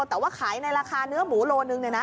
แต่ว่าขายในราคาเนื้อหมูโลนึงเนี่ยนะ